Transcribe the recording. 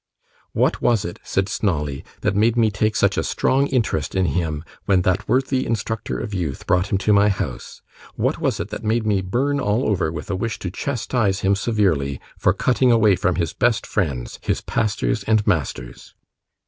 'What was it,' said Snawley, 'that made me take such a strong interest in him, when that worthy instructor of youth brought him to my house? What was it that made me burn all over with a wish to chastise him severely for cutting away from his best friends, his pastors and masters?